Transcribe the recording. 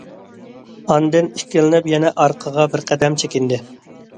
ئاندىن ئىككىلىنىپ يەنە ئارقىغا بىر قەدەم چېكىندى.